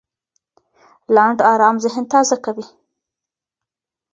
لنډ ارام ذهن تازه کوي.